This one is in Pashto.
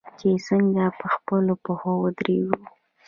چې څنګه په خپلو پښو ودریږو.